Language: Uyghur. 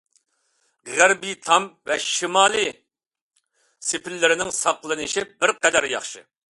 غەربىي تام ۋە شىمالىي سېپىللىرىنىڭ ساقلىنىشى بىر قەدەر ياخشى.